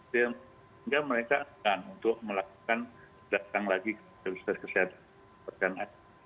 sehingga mereka akan untuk melakukan datang lagi ke fasilitas kesehatan